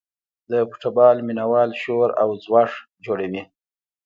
د فوټبال مینه وال شور او ځوږ جوړوي.